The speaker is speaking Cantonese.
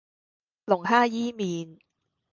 龍蝦伊麵